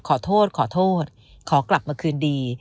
ขอกลับมาคืนดี